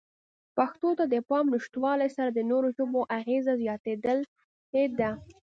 پښتو ته د پام نشتوالې سره د نورو ژبو اغېزه زیاتېدلې ده.